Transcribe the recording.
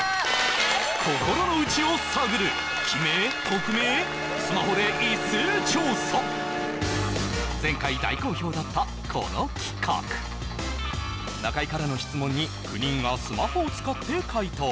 心のうちを探る前回大好評だったこの企画中居からの質問に９人がスマホを使って回答